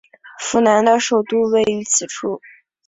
扶南的首都位于此处。